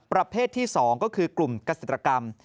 ประเภทที่๒ก็คือกลุ่มเกษตรกรรม